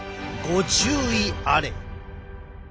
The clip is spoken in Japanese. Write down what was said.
ご注意あれ。